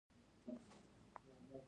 یو بل ته لار ورکول ولې پکار دي؟